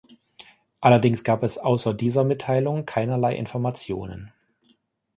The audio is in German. Allerdings gab es außer dieser Mitteilung keinerlei Informationen.